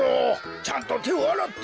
ちゃんとてをあらって。